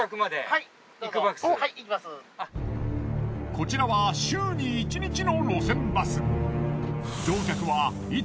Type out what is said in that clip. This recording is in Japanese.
こちらは週に一日の路線バス。